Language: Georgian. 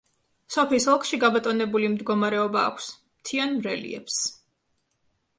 სოფიის ოლქში გაბატონებული მდგომარეობა აქვს, მთიან რელიეფს.